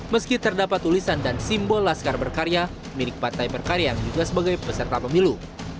meski terdapat tulisan dan simbol laskar berkarya milik partai berkarya yang juga sebagai peserta pemilu